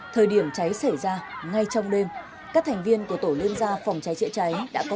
thời điểm cháy xảy ra ngay trong đêm các thành viên của tổ liên gia phòng cháy chữa cháy đã có